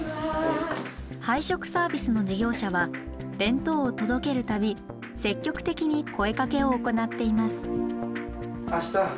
配食サービスの事業者は弁当を届ける度積極的に声かけを行っています。